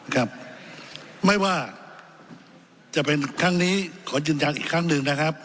ครับไม่ว่าจะเป็นครั้งนี้ขอยืนยันอีกครั้งหนึ่งนะครับ